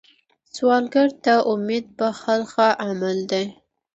سوالګر ته امید بښل ښه عمل دی